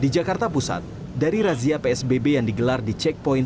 di jakarta pusat dari razia psbb yang digelar di checkpoint